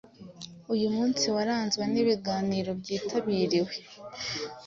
Uyu munsi waranzwe n’ibiganiro byitabiriwe